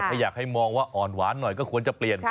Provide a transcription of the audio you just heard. ถ้าอยากให้มองว่าอ่อนหวานหน่อยก็ควรจะเปลี่ยน